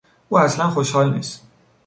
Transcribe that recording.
او اصلا خوشحال نیست.